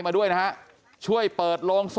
พ่อขออนุญาต